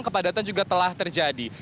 kepadatan juga telah terjadi